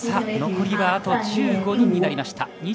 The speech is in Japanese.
残りは、あと１５人になりました。